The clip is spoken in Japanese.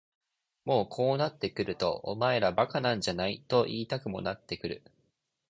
もうこうなってくるとお前ら馬鹿なんじゃないと言いたくもなってくる。